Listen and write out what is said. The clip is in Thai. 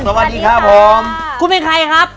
สวัสดีครับผมคุณเป็นใครครับ